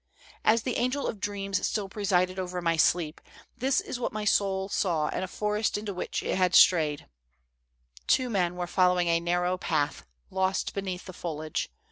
"As the angel of dreams still presided over my sleep, this is what my soul saw in a forest into which it had strayed : "Two men were following a narrow path lost beneath the foliage.